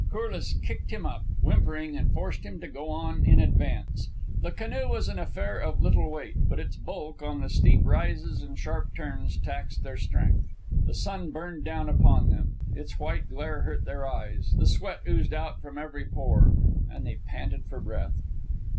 Corliss kicked him up, whimpering, and forced him to go on in advance. The canoe was an affair of little weight, but its bulk, on the steep rises and sharp turns, taxed their strength. The sun burned down upon them. Its white glare hurt their eyes, the sweat oozed out from every pore, and they panted for breath.